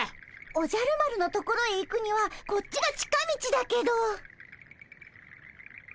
おじゃる丸のところへ行くにはこっちが近道だけど。